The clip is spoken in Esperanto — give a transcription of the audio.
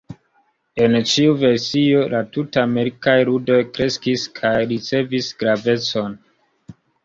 En ĉiu versio, la Tut-Amerikaj Ludoj kreskis kaj ricevis gravecon.